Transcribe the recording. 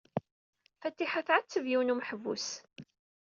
Fatiḥa tɛetteb yiwen n umeḥbus.